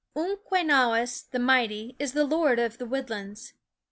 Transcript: MQUENAWJS the Mighty is v ^fM lord of the woodlands.